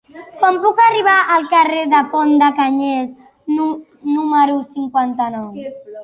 Com puc arribar al carrer de la Font de Canyelles número cinquanta-nou?